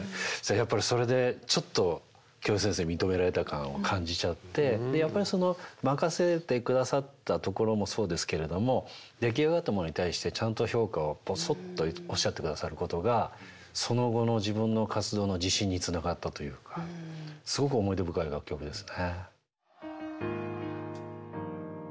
やっぱりそれでちょっと京平先生に認められた感を感じちゃってやっぱりその任せてくださったところもそうですけれども出来上がったものに対してちゃんと評価をボソッとおっしゃってくださることがその後の自分の活動の自信につながったというかすごく思い出深い楽曲ですね。